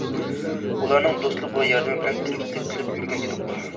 ئۇلارنىڭ دوستلۇق ۋە ياردىمى بىلەن تىرىكچىلىك قىلىپ يۈرگەن ئىدۇق.